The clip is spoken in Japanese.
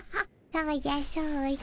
そうじゃそうじゃ。